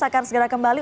akan segera kembali